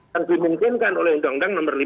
yang dimungkinkan oleh undang undang nomor lima